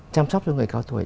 chăm sóc cho người cao tuổi